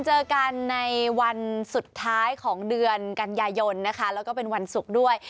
เจอกันในวันสุดท้ายของเดือนกันยายนนะคะแล้วก็เป็นวันศุกร์ด้วย